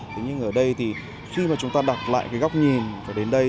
tuy nhiên ở đây thì khi mà chúng ta đặt lại cái góc nhìn và đến đây